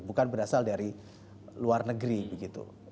bukan berasal dari luar negeri begitu